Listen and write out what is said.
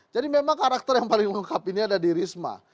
jadi memang karakter yang paling lengkap ini ada di risma